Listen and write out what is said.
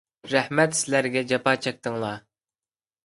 رەھمەت سىلەرگە، جاپا چەكتىڭلار!